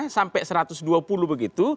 sampai satu ratus dua puluh begitu